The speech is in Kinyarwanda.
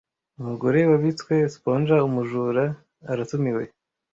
Umugore-wabitswe, sponger, umujura, aratumiwe,